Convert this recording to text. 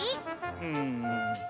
うん。